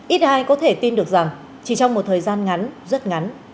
ít ai có thể tin được rằng chỉ trong một thời gian ngắn rất ngắn